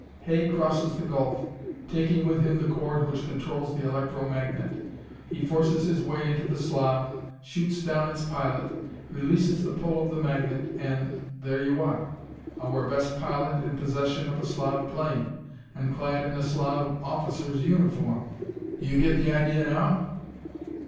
Hay crosses the gulf, taking with him the cord which controls the electro magnet. He forces his way into the Slav, shoots down its pilot, releases the pull of the magnet, and there you are! Our best pilot in possession of a Slav plane, and clad in a Slav officer's uniform! Do you get the idea now?"